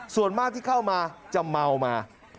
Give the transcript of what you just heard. ส่วนมากที่เข้ามาจะเมามา